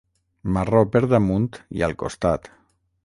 Marró per damunt i al costat.